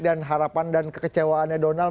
dan harapan dan kekecewaannya donald